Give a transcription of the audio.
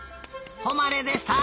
ほまれでした！